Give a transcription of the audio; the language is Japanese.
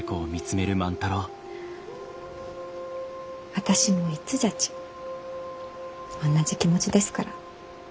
私もいつじゃち同じ気持ちですから。